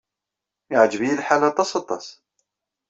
Yeɛjeb-iyi lḥal aṭas, aṭas.